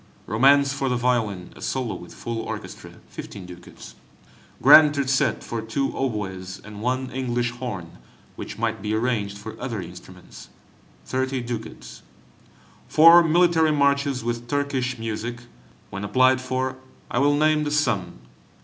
Romance for the violin (a solo with full orchestra), 15 ducats. Grand Terzet for two oboes, and one English horn (which might be arranged for other instruments), 30 ducats. Four military Marches with Turkish music; when applied for, I will name the sum.